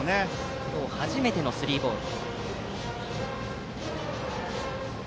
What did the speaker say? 今日初めてのスリーボール。